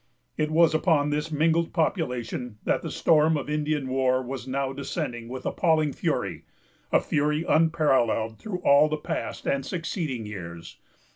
It was upon this mingled population, that the storm of Indian war was now descending with appalling fury,——a fury unparalleled through all past and succeeding years.